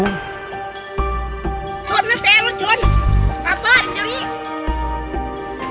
ชนนะเซรถชน